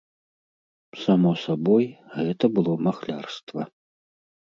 Само сабой, гэта было махлярства.